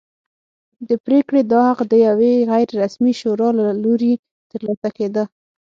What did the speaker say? د پرېکړې دا حق د یوې غیر رسمي شورا له لوري ترلاسه کېده.